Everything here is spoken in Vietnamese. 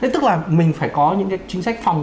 tức là mình phải có những cái chính sách phòng